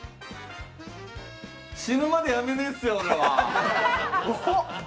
死ぬまでやめねえっすよ、俺は。